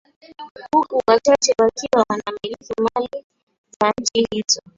Huku wachache wakiwa wanamiliki mali za nchi hizo